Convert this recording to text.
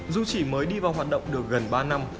dù chỉ mới đi vào hoạt động được gần ba năm